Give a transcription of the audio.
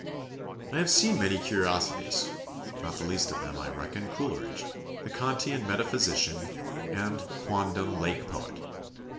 ] "I have seen many curiosities; not the least of them I reckon Coleridge, the Kantian metaphysician and quondam Lake Poet.